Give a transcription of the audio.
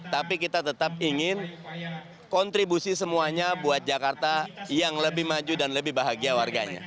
tapi kita tetap ingin kontribusi semuanya buat jakarta yang lebih maju dan lebih bahagia warganya